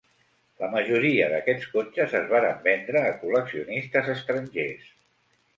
La majoria d'aquests cotxes es varen vendre a col·leccionistes estrangers.